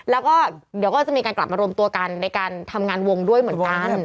แล้วก็เดี๋ยวก็จะมีการกลับมารวมตัวกันในการทำงานวงด้วยเหมือนกัน